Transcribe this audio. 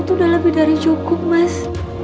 itu sudah lebih dari cukup mas